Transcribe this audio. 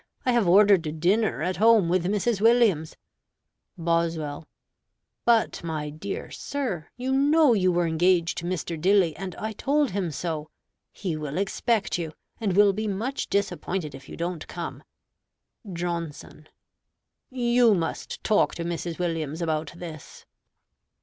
I have ordered dinner at home with Mrs. Williams. Boswell But, my dear sir, you know you were engaged to Mr. Dilly, and I told him so. He will expect you, and will be much disappointed if you don't come. Johnson You must talk to Mrs. Williams about this.